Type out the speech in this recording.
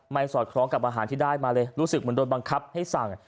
สอดคล้องกับอาหารที่ได้มาเลยรู้สึกเหมือนโดนบังคับให้สั่ง